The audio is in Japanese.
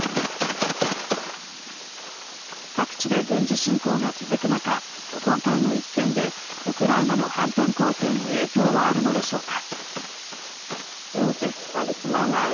各地で軍事侵攻が続く中今回の一件でウクライナの反転攻勢に影響はあるのでしょうか。